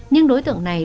nhưng đối tượng này